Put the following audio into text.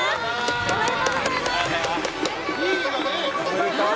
おめでとうございます！